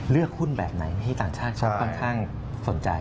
เลือกหุ้นแบบไหนให้ต่างชาติเขาค่อนข้างสนใจ